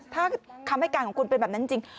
ถ้าคำให้การของคุณเป็นแบบนั้นจริง